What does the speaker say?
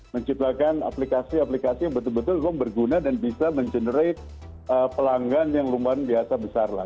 menciptakan aplikasi aplikasi yang betul betul memang berguna dan bisa mengenerate pelanggan yang lumayan biasa besar lah